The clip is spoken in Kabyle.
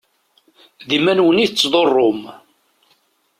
D iman-nwen i tḍurrem.